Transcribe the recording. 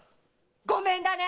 ごめんだね！